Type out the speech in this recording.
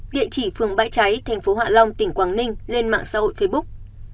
địa chỉ phường bãi cháy thành phố hạ long tỉnh quảng ninh lên mạng xã hội facebook